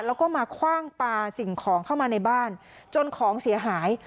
แล้วก็มาคว่างปลาสิ่งของเข้ามาในบ้านจนของเสียหาย